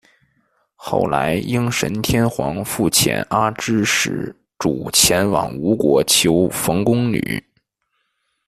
后来应神天皇复遣阿知使主前往吴国求缝工女。